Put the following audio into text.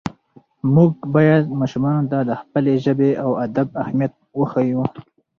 موږ باید ماشومانو ته د خپلې ژبې او ادب اهمیت وښیو